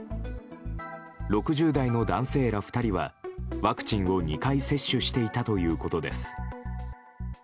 ６０代の男性ら２人はワクチンを２回接種していたということです。